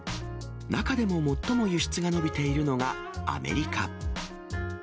中でも最も輸出が伸びているのがアメリカ。